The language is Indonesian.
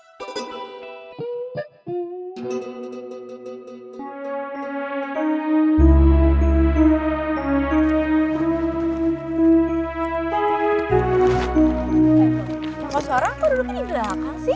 kangkos suara kok duduknya di belakang sih